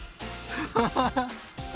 ハハハハ。